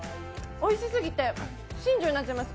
おいしすぎて新庄になっちゃいます。